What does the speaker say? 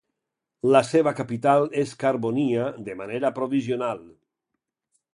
La seva capital és Carbonia de manera provisional.